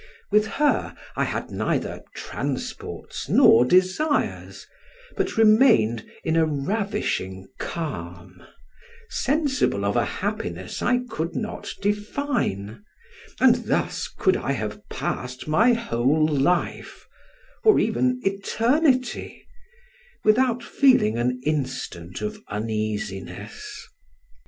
With her I had neither transports nor desires, but remained in a ravishing calm, sensible of a happiness I could not define, and thus could I have passed my whole life, or even eternity, without feeling an instant of uneasiness.